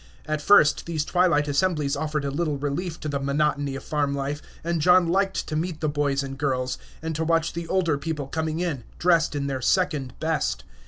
At first these twilight assemblies offered a little relief to the monotony of farm life; and John liked to meet the boys and girls, and to watch the older people coming in, dressed in their second best.